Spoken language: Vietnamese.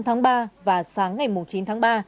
tám tháng ba và sáng ngày chín tháng ba